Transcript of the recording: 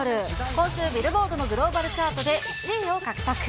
今週、ビルボードのグローバルチャートで１位を獲得。